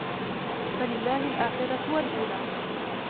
فَلِلَّهِ الْآخِرَةُ وَالْأُولَى